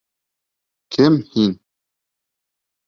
Кем һин?